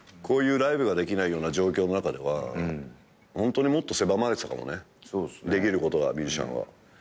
こういうライブができないような状況の中ではホントにもっと狭まれてたかもねできることがミュージシャンは。